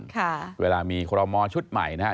ค่ะเวลามีคอรมอชุดใหม่นะฮะ